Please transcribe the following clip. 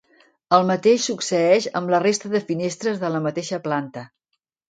El mateix succeeix amb la resta de finestres de la mateixa planta.